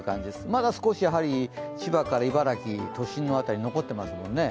まだ少し千葉から茨城、都心の辺り残ってますけどね。